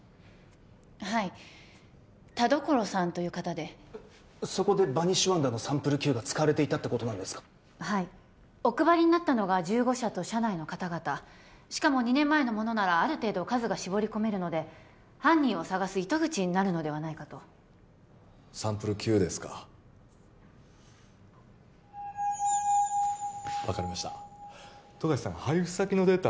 はい田所さんという方でそこでバニッシュワンダーのサンプルＱが使われていたってことなんですかはいお配りになったのが１５社と社内の方々しかも２年前のものならある程度数が絞り込めるので犯人を捜す糸口になるのではないかとサンプルＱですか分かりました富樫さん配布先のデータ